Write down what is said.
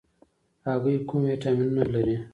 هګۍ کوم ویټامینونه لري؟